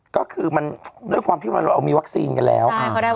ก็คือมันด้วยความที่เรามีวัคซีนกันแล้ว